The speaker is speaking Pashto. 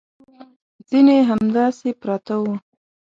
ځینې همداسې پراته وو.